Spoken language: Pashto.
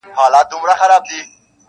که هر څومره څوک هوښیار او لاس یې بر وي -